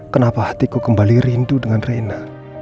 kenapa hatiku kembali rindu dengan reina